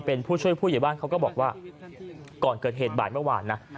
เป็นผู้ช่วยผู้ใหญ่บ้านเขาก็บอกว่าก่อนเกิดเหตุบ่ายเมื่อวานนะ